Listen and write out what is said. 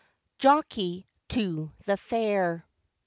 JOCKEY TO THE FAIR.